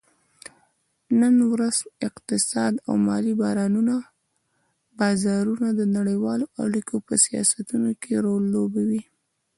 نن ورځ اقتصاد او مالي بازارونه د نړیوالو اړیکو په سیاستونو کې رول لوبوي